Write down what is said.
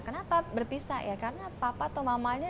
kenapa berpisah ya karena papa atau mamanya